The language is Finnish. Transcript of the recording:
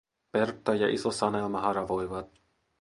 Pertta ja iso Sanelma haravoivat.